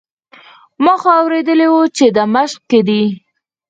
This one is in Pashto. ما خو اورېدلي وو چې د مشق کې دی.